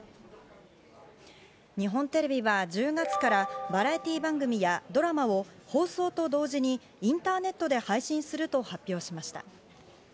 日本テレビは１０月からバラエティー番組やドラマを放送と同時にインターネットで配信すると発表しました。